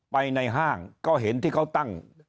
ในห้างก็เห็นที่เขาตั้ง